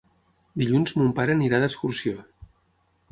Dilluns mon pare irà d'excursió.